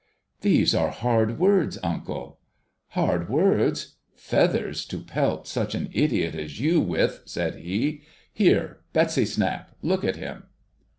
' These are hard words, uncle !'' Hard words ? Feathers, to pelt such an idiot as you with,' said he. ' Here ! Betsy Snap ! Look at him